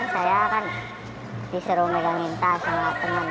saya kan disuruh megang minta sama teman